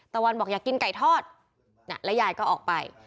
ตะวันบอกอยากกินไก่ทอดแล้วยายก็ออกไป